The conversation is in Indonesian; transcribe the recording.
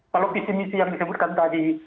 kalau visi misi yang disebutkan tadi